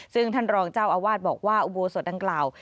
ซึ่งท่านรองเจ้าอาวาสบอกว่าอุโบสถดังกล่าว